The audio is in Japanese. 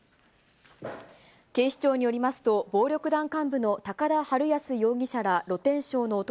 警視庁によりますと、暴力団幹部の高田晴尉容疑者ら露天商の男